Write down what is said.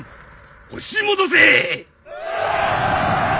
押し戻せ！